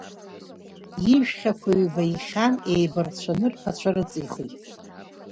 Ижәхьақәа ҩба ихьан, еибарцәаны рԥацәа рыҵихит.